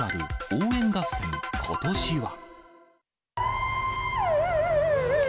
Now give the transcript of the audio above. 応援合戦、ことしは？